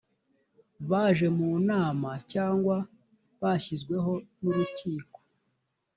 baje mu nama cyangwa bashyizweho n urukiko